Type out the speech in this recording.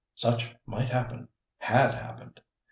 Such might happen—had happened.